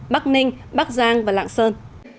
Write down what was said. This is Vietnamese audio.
bắc ninh bắc giang và lạng sơn